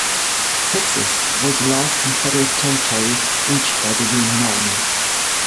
Texas was the last Confederate territory reached by the Union army.